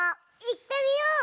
いってみよう！